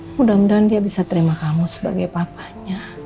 mudah mudahan dia bisa terima kamu sebagai papanya